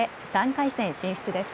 ３回戦進出です。